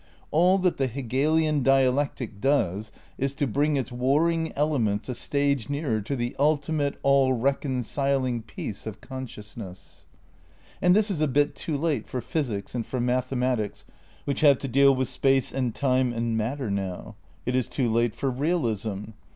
All that the Hegelian dialectic does is to bring its warring elements a stage nearer to the ulti mate, all reconciling peace of consciousness. And this is a bit too late for physics and for mathe matics which have to deal with space and time and mat ter now. It is too late for realism.